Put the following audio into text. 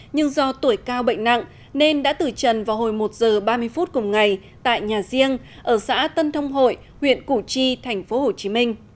nhưng do tuổi cao bệnh nặng nên đã tử trần vào hồi một h ba mươi phút cùng ngày tại nhà riêng ở xã tân thông hội huyện củ chi tp hcm